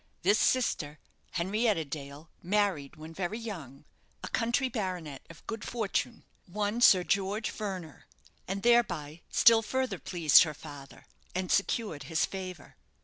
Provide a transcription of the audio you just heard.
This sister, Henrietta Dale, married, when very young, a country baronet of good fortune, one Sir George Verner, and thereby still further pleased her father, and secured his favour.